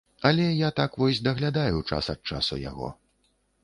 Але я так вось даглядаю час ад часу яго.